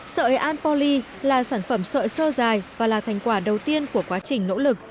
sợi anpoly là sản phẩm sợi sơ dài và là thành quả đầu tiên của quá trình nỗ lực